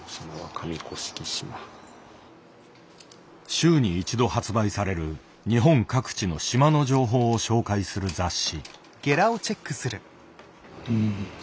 週に一度発売される日本各地の島の情報を紹介する雑誌。